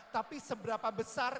tapi seberapa besar itu